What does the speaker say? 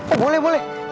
oh boleh boleh